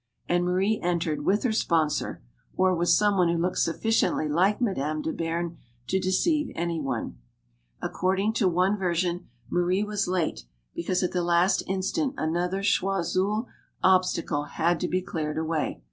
And Marie entered, with her sponsor or with some one who looked sufficiently like Madame de Bearne to deceive any one. According to one version, Marie was late because at the last instant another Choiseul obtacle had to be cleared away.